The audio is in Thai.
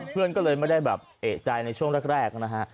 เพื่อนก็เลยไม่ได้แบบเอกใจในช่วงแรกนะฮะ